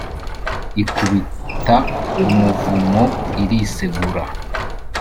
ikubita ubuvumo irisegura.